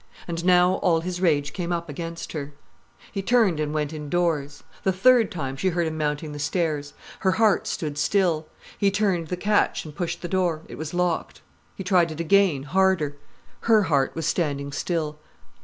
And now all his rage came up against her. He turned and went indoors. The third time, she heard him mounting the stairs. Her heart stood still. He turned the catch and pushed the door—it was locked. He tried it again, harder. Her heart was standing still.